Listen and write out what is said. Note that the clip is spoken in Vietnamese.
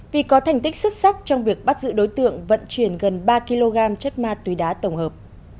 vì có thành tích xuất sắc trong việc bắt giữ đối tượng vận chuyển gần ba kg chất ma túy đá tổng hợp